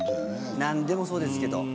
何でもそうですけど。